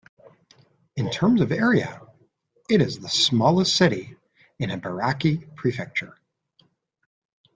In terms of area, it is the smallest city in Ibaraki Prefecture.